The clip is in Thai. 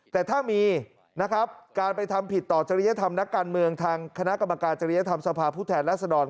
แต่ถ้ามีการไปทำผิดต่อจักรยธรรมนักการเมืองทางคณะกรรมการจักรยธรรมสภาพุทธแหลศดร